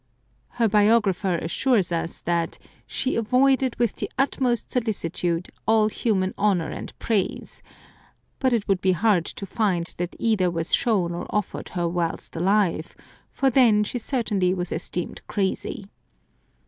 Her biographer assures us that "she avoided, with the utmost solicitude, all human honour and praise," but it would be hard to find that either was shown or offered her whilst alive ; for then she certainly was esteemed crazy.